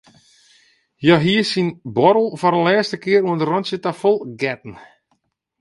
Hja hie syn buorrel foar in lêste kear oan it rântsje ta fol getten.